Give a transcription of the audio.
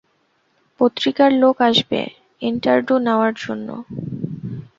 পত্রিকার লোক আসবে ইন্টারড়ু নেওয়ার জন্যে।